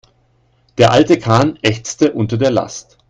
Der alte Kahn ächzte unter der Last.